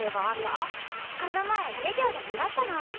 この前授業で習ったの。